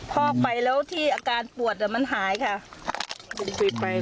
พอกไปแล้วที่อาการปวดมันหายค่ะ